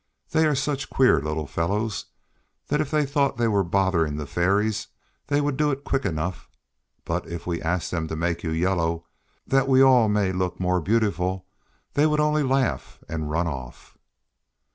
They are such queer little fellows that if they thought they were bothering the Fairies they would do it quick enough; but if we ask them to make you yellow that we all may look more beautiful they would only laugh and run off."